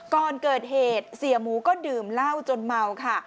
ก่อนเกิดเหตุเสียหมูก็ดื่มเหล้าจนเมาค่ะ